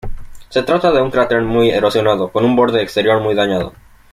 Se trata de un cráter muy erosionado, con un borde exterior muy dañado.